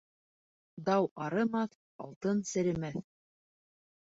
Дау арымаҫ, алтын серемәҫ.